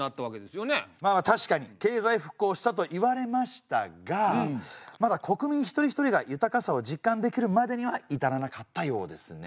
まあ確かに経済復興したといわれましたがまだ国民一人一人が豊かさを実感できるまでには至らなかったようですね。